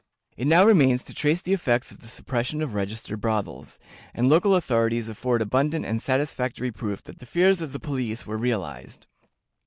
It now remains to trace the effects of the suppression of registered brothels, and local authorities afford abundant and satisfactory proof that the fears of the police were realized.